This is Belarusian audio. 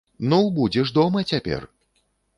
Ну, будзеш дома цяпер.